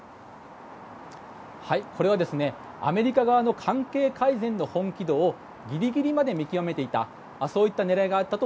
これはアメリカ側の関係改善の本気度をギリギリまで見極めていたようです。